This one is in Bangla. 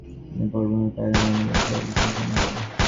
এই পটভূমিকা পাইলেই আমাদের সকল বিশ্লেষণ থামিয়া যায়।